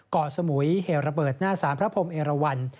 เกาะสมุยเหตุระเบิดหน้าสารพระพรมเอราวัน